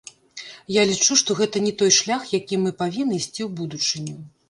Я лічу, што гэта не той шлях, якім мы павінны ісці ў будучыню.